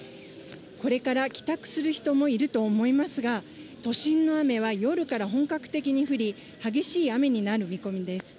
これから帰宅する人もいると思いますが、都心の雨は夜から本格的に降り、激しい雨になる見込みです。